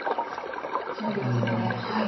シノギと攻めで。